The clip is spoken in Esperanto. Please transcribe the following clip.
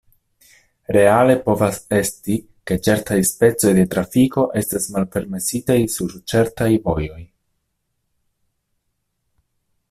Reale povas esti, ke certaj specoj de trafiko estas malpermesitaj sur certaj vojoj.